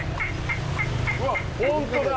うわっ、本当だ！